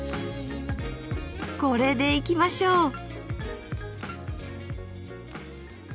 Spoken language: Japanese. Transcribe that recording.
これでいきましょう！